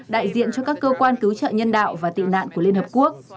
đại diện cho các cơ quan cứu trợ nhân đạo và tị nạn của liên hợp quốc